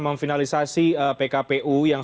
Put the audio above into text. memfinalisasi pkpu yang